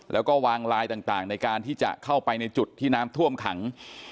แล้วก็วางลายต่างในการที่จะเข้าไปในจุดที่น้ำท่วมขัง